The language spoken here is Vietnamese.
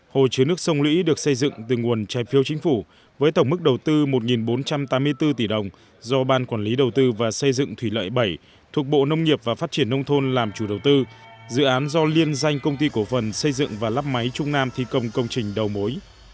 hồ chứa nước sông lũy được xây dựng từ nguồn trái phiếu chính phủ với tổng mức đầu tư một bốn trăm tám mươi bốn tỷ đồng do ban quản lý đầu tư và xây dựng thủy lợi bảy thuộc bộ nông nghiệp và phát triển nông thôn làm chủ đầu tư dự án do liên danh công ty cổ phần xây dựng và lắp máy trung nam thi công công trình đầu mối